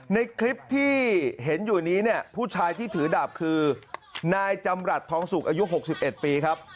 ในคลิปที่เห็นอยู่นี้เนี่ยผู้ชายที่ถือดาบคือนายจำรัฐทองสุกอายุ๖๑ปีครับ